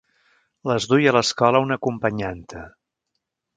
Les duia a l'escola una acompanyanta.